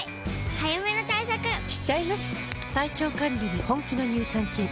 早めの対策しちゃいます。